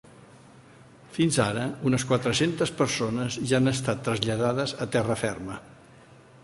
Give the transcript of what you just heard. Fins ara unes quatre-centes persones ja han estat traslladades a terra ferma.